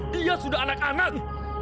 dia sudah anak anak